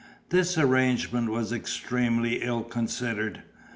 This arrangement was extremely ill considered.